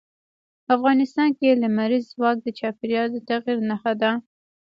افغانستان کې لمریز ځواک د چاپېریال د تغیر نښه ده.